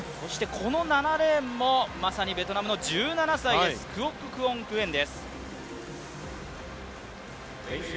この７レーンもベトナムの１７歳です、クオッククオン・グエン。